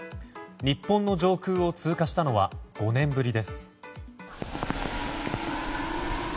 日本の上空を通過したのは５年ぶりです。